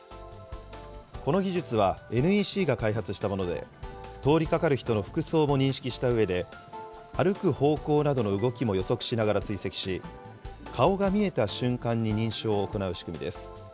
この技術はＮＥＣが開発したもので、通りかかる人の服装も認識したうえで、歩く方向などの動きも予測しながら追跡し、顔が見えた瞬間に認証を行う仕組みです。